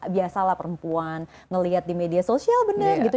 biasalah perempuan ngelihat di media sosial benar gitu